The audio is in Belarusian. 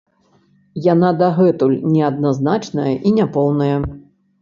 Яна дагэтуль неадназначная і няпоўная.